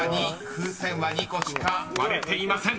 風船は２個しか割れていません］